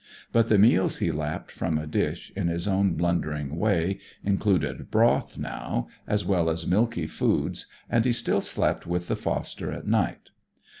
But the meals he lapped from a dish, in his own blundering way, included broth now, as well as milky foods, and he still slept with the foster at night.